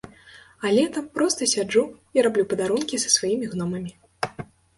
А летам проста сяджу і раблю падарункі са сваімі гномамі.